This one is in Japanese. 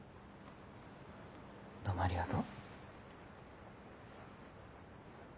どうもありがとう。